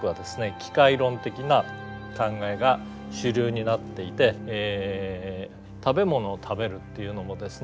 機械論的な考えが主流になっていて食べ物を食べるっていうのもですね